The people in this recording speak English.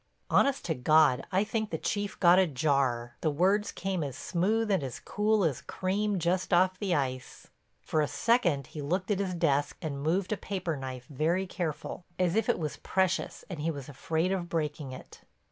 Honest to God I think the Chief got a jar; the words came as smooth and as cool as cream just off the ice. For a second he looked at his desk and moved a paper knife very careful, as if it was precious and he was afraid of breaking it.